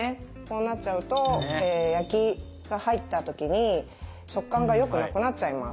こうなっちゃうと焼きが入った時に食感がよくなくなっちゃいます。